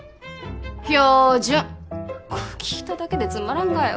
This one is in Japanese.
標準聞いただけでつまらんがよ